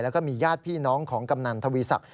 แล้วก็มีญาติพี่น้องของกำนันทวีศักดิ